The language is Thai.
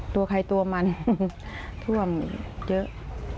ตัวใครตัวมันท่วมเยอะ